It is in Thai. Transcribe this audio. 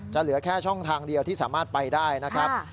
เหลือแค่ช่องทางเดียวที่สามารถไปได้นะครับ